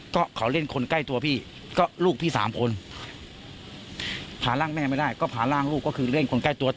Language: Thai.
ก็เขาเล่นคนใกล้ตัวพี่ก็ลูกพี่สามคนพาร่างแม่ไม่ได้ก็พาร่างลูกก็คือเล่นคนใกล้ตัว